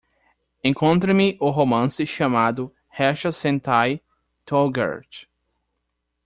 Encontre-me o romance chamado Ressha Sentai ToQger